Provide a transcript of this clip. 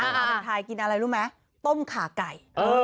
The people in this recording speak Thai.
ในประเทศไทยกินอะไรรู้ไหมต้มขาไก่